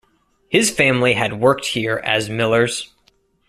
His family had worked here as millers.